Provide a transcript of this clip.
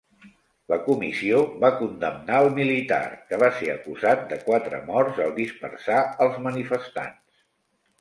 La comissió va condemnar el militar, que va ser acusat de quatre morts al dispersar els manifestants.